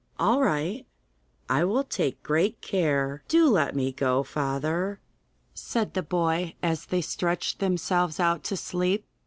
'All right, I will take great care. Do let me go, father,' said the boy, as they stretched themselves out to sleep.